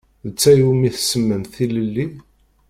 D ta i wumi tsemmamt tilelli?